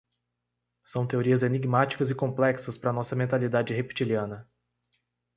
São teorias enigmáticas e complexas para nossa mentalidade reptiliana